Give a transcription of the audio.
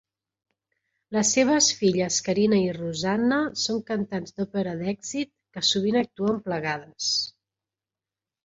Les seves filles Karina i Ruzanna són cantants d'òpera d'èxit que sovint actuen plegades.